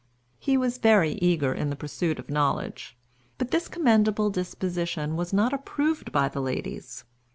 He was very eager in the pursuit of knowledge; but this commendable disposition was not approved by the ladies.